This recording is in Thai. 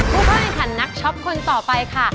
ทุกคนค่ะนักช็อปคนต่อไปค่ะ